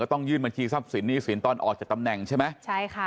ต้องยื่นบัญชีทรัพย์สินหนี้สินตอนออกจากตำแหน่งใช่ไหมใช่ค่ะ